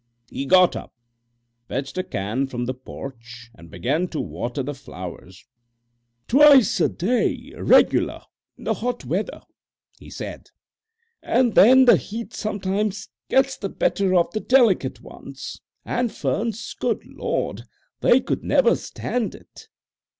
He got up, fetched a can from the porch, and began to water the flowers. "Twice a day regular in the hot weather," he said, "and then the heat sometimes gets the better fo the delicate ones. And ferns, good Lord! they could never stand it.